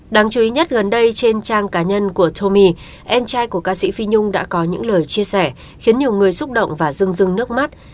đáng chú ý nhất gần đây trên trang cá nhân của tomi em trai của ca sĩ phi nhung đã có những lời chia sẻ khiến nhiều người xúc động và dưng rưng nước mắt